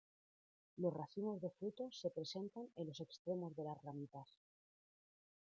Los racimos de frutos se presentan en los extremos de las ramitas.